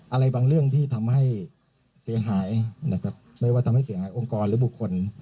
อะไรบางเรื่องที่ทำให้เสียหายนะครับไม่ว่าทำให้เสียหายองค์กรหรือบุคคล